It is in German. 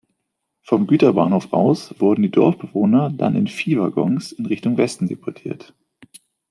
Vom Güterbahnhof aus wurden die Dorfbewohner dann in Viehwaggons in Richtung Westen deportiert.